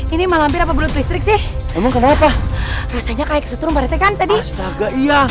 ini malampir apa belut listrik sih emang kenapa rasanya kayak setrum parete kan tadi astaga iya